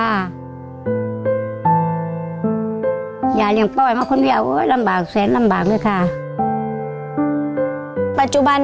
หนูก็เสียใจค่ะที่ไม่มีพ่อมีแม่เหมือนเพื่อนค่ะ